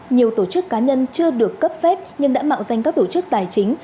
nhiều tổ chức cá nhân chưa được cấp phép nhưng đã mạo danh các tổ chức tài chính